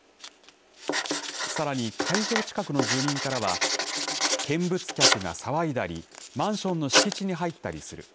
さらに、会場近くの住民からは見物客が騒いだりマンションの敷地に入ったりする。